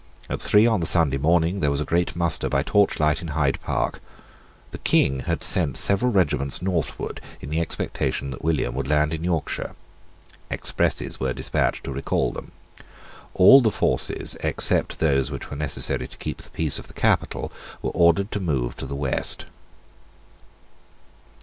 At three on the Sunday morning there was a great muster by torchlight in Hyde Park. The King had sent several regiments northward in the expectation that William would land in Yorkshire. Expresses were despatched to recall them. All the forces except those which were necessary to keep the peace of the capital were ordered to move to the west.